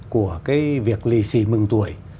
của cái việc lì xì mừng tuổi